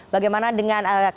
bagaimana dengan keluarganya